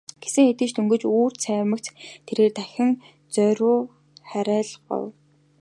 Гэсэн хэдий ч дөнгөж үүр цаймагц тэрээр дахин зоорьруу харайлгав.